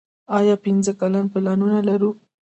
آیا پنځه کلن پلانونه لرو؟